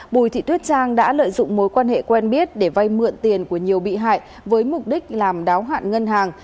bùi thị tuyết trang đã lợi dụng mối quan hệ quen biết để vay mượn tiền của nhiều bị hại với mục đích làm đáo hạn ngân hàng